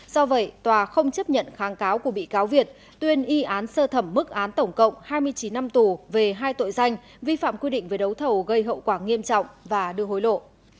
do vậy tòa không chấp nhận kháng cáo của bị cáo việt tuyên y án sơ thẩm mức án tổng cộng hai mươi chín năm tù về hai tội danh vi phạm quy định về đấu thầu gây hậu quả nghiêm trọng và đưa hối lộ